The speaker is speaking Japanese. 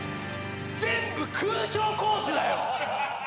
全部空調コースだよ！